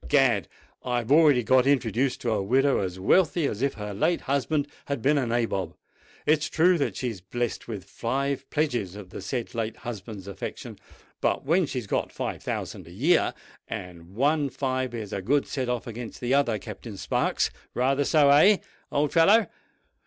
Egad! I've already got introduced to a widow as wealthy as if her late husband had been a Nabob. It's true that she's blest with five pledges of the said late husband's affection; but then she's got five thousand a year—and one five is a good set off against the other, Captain Sparks. Rather so—eh? old fellow?"